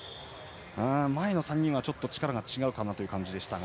前の３人はちょっと力が違う感じでしたが。